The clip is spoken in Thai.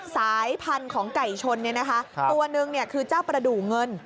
สายพันธุ์ของไก่ชนตัวหนึ่งคือเจ้าประดูกเงิน